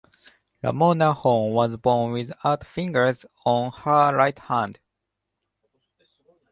Ramona Hoh was born without fingers on her right hand.